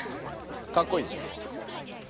かっこいいでしょ。